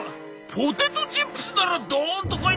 「ポテトチップスならドンとこい！